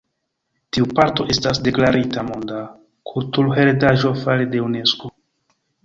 Tiu parto estas deklarita monda kulturheredaĵo fare de Unesko.